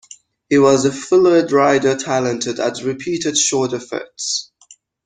He was a fluid rider talented at repeated short efforts.